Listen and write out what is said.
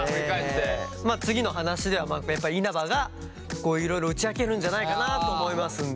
まあ次の話ではやっぱ稲葉がいろいろ打ち明けるんじゃないかなと思いますんで。